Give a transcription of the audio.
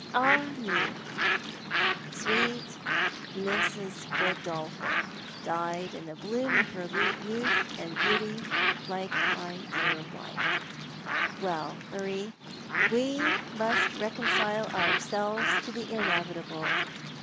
Ah me ! Sweet Mrs. Godolphin died in the bloom of her youth and beauty, like my dear wife. Well, Marie, we must reconcile ourselves to the inevitable.